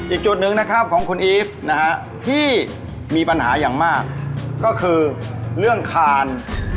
อีกจุดหนึ่งนะครับของคุณอีฟนะฮะที่มีปัญหาอย่างมากก็คือเรื่องคาน